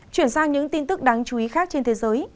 chuyển sang những tin tức đáng chú ý khác trên thế giới